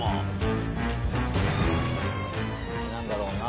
何だろうな。